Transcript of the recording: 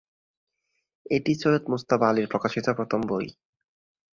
এটি সৈয়দ মুজতবা আলীর প্রকাশিত প্রথম বই।